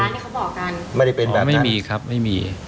เขาบอกกันไม่ได้เป็นแบบนั้นอ๋อไม่มีครับไม่มี